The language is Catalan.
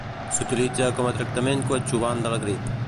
S'utilitza com a tractament coadjuvant de la grip.